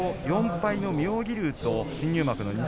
４敗の妙義龍と新入幕の錦